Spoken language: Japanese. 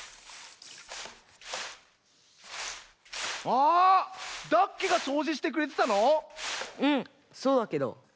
あダッケがそうじしてくれてたの⁉うんそうだけど。